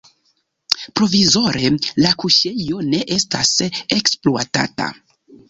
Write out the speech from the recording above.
Provizore la kuŝejo ne estas ekspluatata.